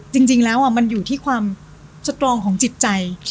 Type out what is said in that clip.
จริงแล้วมันอยู่ที่ความสตรองของจิตใจ